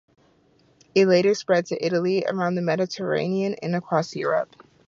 It later spread to Italy, around the Mediterranean and across Europe.